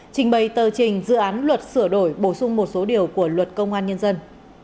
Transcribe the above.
trình bày tờ trình dự án luật sửa đổi bổ sung một số điều của luật công an nhân dân